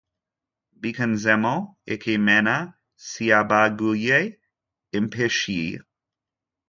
Bikanzemo ikimena cy’abaguye impishyi,